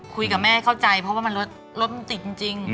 คุยกับแม่ให้เข้าใจเพราะว่ามันรถมันติดจริง